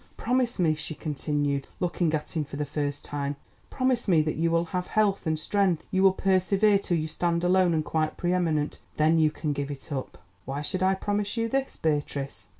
Promise me," she continued, looking at him for the first time—"promise me that while you have health and strength you will persevere till you stand alone and quite pre eminent. Then you can give it up." "Why should I promise you this, Beatrice?"